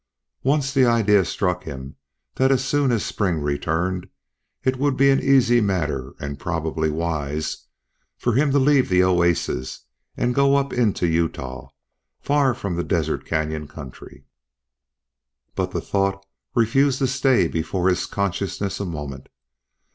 Once the idea struck him that as soon as spring returned it would be an easy matter, and probably wise, for him to leave the oasis and go up into Utah, far from the desert canyon country. But the thought refused to stay before his consciousness a moment.